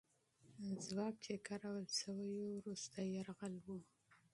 ځواک چې کارول سوی وو، وروستی یرغل وو.